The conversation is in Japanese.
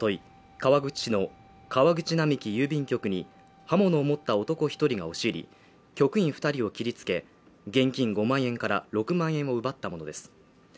川口市の川口並木郵便局に刃物を持った男一人が押し入り局員二人を切りつけ現金５万円から６万円を奪ったものです